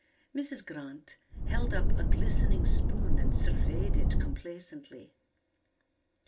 Mrs. Grant held up a glistening spoon and surveyed it complacently.